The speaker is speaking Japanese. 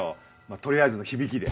取りあえずの響きで。